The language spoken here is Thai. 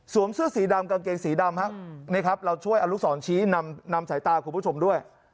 เสื้อสีดำกางเกงสีดำครับนี่ครับเราช่วยอนุสรชี้นำสายตาคุณผู้ชมด้วย